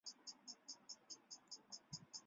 一切都妥当惹拉